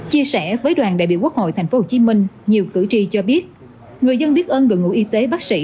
chia sẻ với đoàn đại biểu quốc hội tp hcm nhiều cử tri cho biết người dân biết ơn đội ngũ y tế bác sĩ